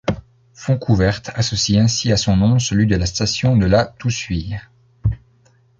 Foncouverte associe ainsi à son nom celui de la station de La Toussuire.